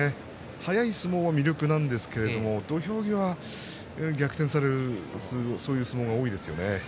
速い相撲は魅力なんですけど土俵際、逆転されるそういう相撲が多いですよね。